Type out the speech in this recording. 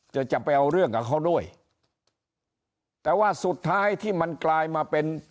จะไปเอาเรื่องกับเขาด้วยแต่ว่าสุดท้ายที่มันกลายมาเป็น